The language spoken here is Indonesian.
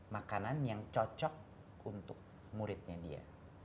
makanan yang cocok untuk muridnya dia